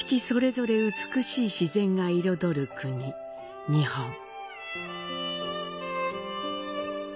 それぞれ美しい自然が彩る国、日本。